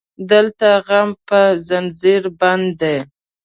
دلته غم په زنځير بند دی